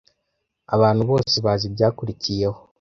Abantu bose bazi ibyakurikiyeho.